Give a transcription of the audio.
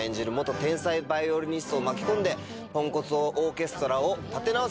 天才バイオリニストを巻き込んでポンコツオーケストラを立て直す